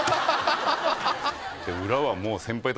裏はもう。